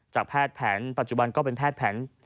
แพทย์แผนปัจจุบันก็เป็นแพทย์แผน